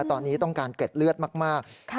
ตอนนี้ต้องการเกร็ดเลือดมาก